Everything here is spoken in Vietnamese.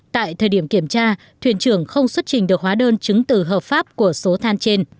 tại thời điểm kiểm tra thuyền trưởng không xuất trình được hóa đơn chứng từ hợp pháp của số than trên